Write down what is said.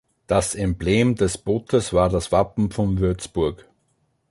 Das Emblem des Bootes war das Wappen von Würzburg.